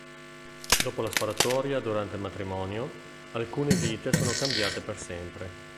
Dopo la sparatoria durante il matrimonio, alcune vite sono cambiate per sempre.